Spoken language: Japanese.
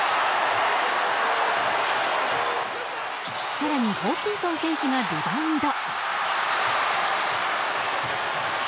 更にホーキンソン選手がリバウンド。